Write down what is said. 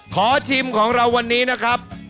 ขอชิมของเราวันนี้นะครับ